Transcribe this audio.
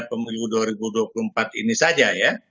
pemilu dua ribu dua puluh empat ini saja ya